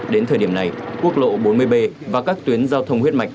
đến thời điểm này quốc lộ bốn mươi b và các tuyến giao thông huyết mạch